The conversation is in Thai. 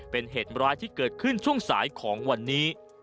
เป็นเหตุร้ายที่เกิดขึ้นช่วงสายของวันนี้